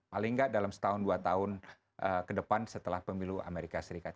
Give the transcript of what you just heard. paling nggak dalam setahun dua tahun ke depan setelah pemilu amerika serikat